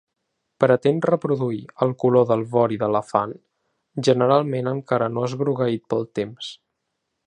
Pretén reproduir el color del vori d'elefant, generalment encara no esgrogueït pel temps.